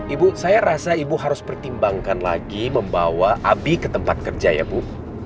ibu saya rasa ibu harus pertimbangkan lagi membawa abi ke tempat kerja ya bu